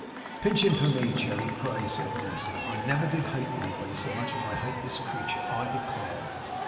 'Pinch him for me, Cherry, pray,' said Mercy. 'I never did hate anybody so much as I hate this creature, I declare!